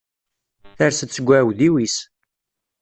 Ters-d seg uɛudiw-is.